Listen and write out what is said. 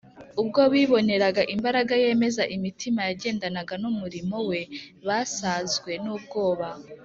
Ubwo biboneraga imbaraga yemeza imitima yagendanaga n’umurimo We basazwe n’ubwoba